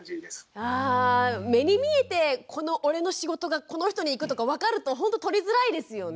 あ目に見えてこの俺の仕事がこの人にいくとか分かるとほんととりづらいですよね。